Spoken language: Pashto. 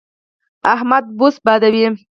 احمد بوس بادوي.